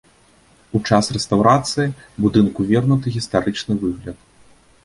У час рэстаўрацыі будынку вернуты гістарычны выгляд.